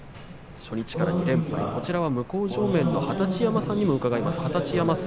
初日から２連敗、向正面の二十山さんにも伺います。